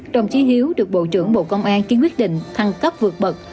đồng chí hiếu được bộ trưởng bộ công an kiến quyết định thăng cấp vượt bật